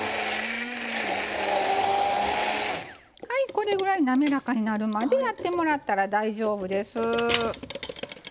これぐらいなめらかになるまでやってもらったら大丈夫です。